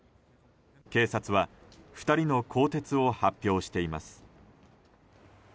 警察は２人の更迭を発表しています。